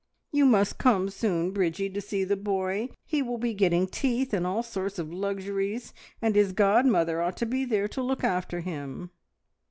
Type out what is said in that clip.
You must come soon, Bridgie, to see the boy. He will be getting teeth and all sorts of luxuries, and his godmother ought to be there to look after him."